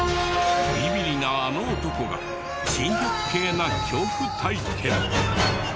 ビビリなあの男が珍百景な恐怖体験。